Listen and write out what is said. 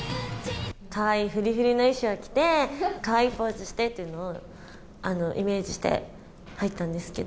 かわいいふりふりの衣装を着て、かわいいポーズしてっていうのをイメージして入ったんですけど。